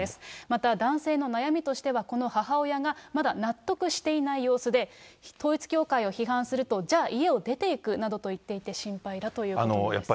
また、男性の悩みとしては、この母親が、まだ納得していない様子で、統一教会を批判すると、じゃあ家を出ていくなどと言っていて、心配だということです。